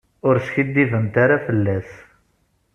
Ur skiddibent ara fell-as.